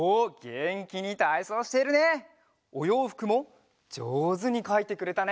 おようふくもじょうずにかいてくれたね。